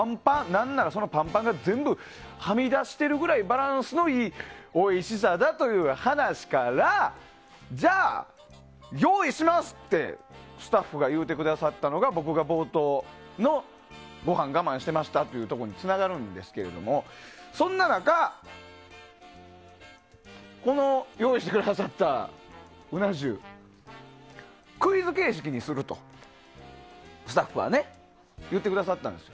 何なら、そのパンパンが全部はみ出してるぐらいバランスのいいおいしさだという話からじゃあ、用意しますってスタッフが言うてくださったのが僕の冒頭のごはん我慢してましたって言ったところにつながるんですけれどもそんな中用意してくださった、うな重クイズ形式にすると、スタッフは言ってくださったんです。